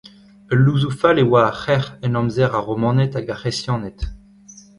Ul louzoù fall e oa ar c'herc'h en amzer ar Romaned hag ar C'hresianed.